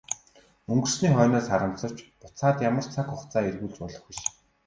Өнгөрсний хойноос харамсавч буцаад ямар цаг хугацааг эргүүлж болох биш.